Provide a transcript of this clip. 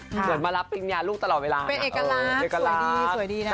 เหมือนมารับปริญญาลูกตลอดเวลาเป็นเอกลักษณ์ดีสวยดีนะ